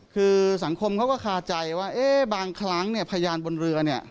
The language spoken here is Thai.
คือสังคมเขาก็คาใจว่าบางครั้งพยานบนเรือ